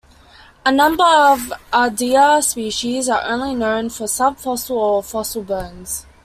A number of "Ardea" species are only known from subfossil or fossil bones.